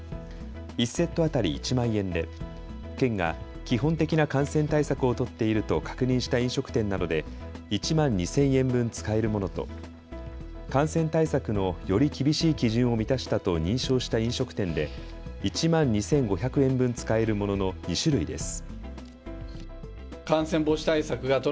１セット当たり１万円で県が基本的な感染対策を取っていると確認した飲食店などで１万２０００円分使えるものと感染対策の、より厳しい基準を満たしたと認証した飲食店で１万２５００円分使えるものの２種類です。